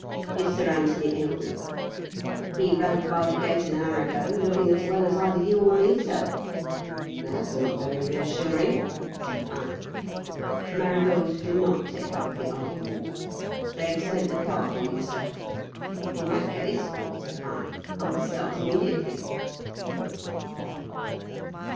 "Is Sir Anthony ill?" "He rode by the gate an hour ago looking as well as either you or me, sir." "That's not very reassuring," said I. Marigold did not take up the argument. "They've sent the car for you, sir." "In that case," said I, "I'll start immediately."